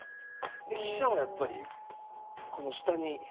で飛車はやっぱりこの下に。